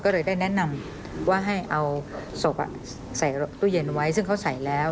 ก็เลยได้แนะนำว่าให้เอาศพใส่ตู้เย็นไว้ซึ่งเขาใส่แล้ว